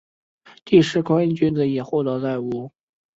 喀喇沁亲王府始建于清康熙十八年按亲王府规格扩建。